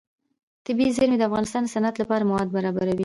طبیعي زیرمې د افغانستان د صنعت لپاره مواد برابروي.